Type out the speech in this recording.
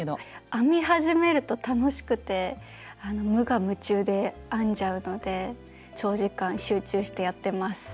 編み始めると楽しくて無我夢中で編んじゃうので長時間集中してやってます。